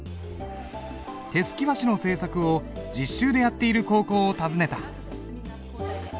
手漉き和紙の製作を実習でやっている高校を訪ねた。